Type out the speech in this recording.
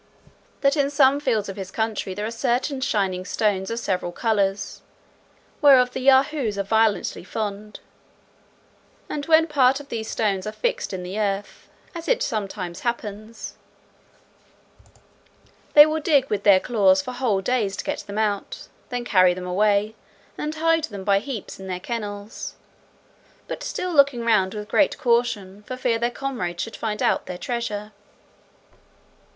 "That in some fields of his country there are certain shining stones of several colours, whereof the Yahoos are violently fond: and when part of these stones is fixed in the earth, as it sometimes happens, they will dig with their claws for whole days to get them out; then carry them away, and hide them by heaps in their kennels; but still looking round with great caution, for fear their comrades should find out their treasure."